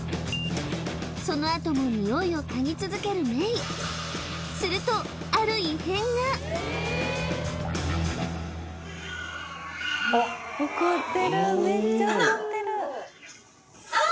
そのあともニオイを嗅ぎ続けるメイするとあらっあっ！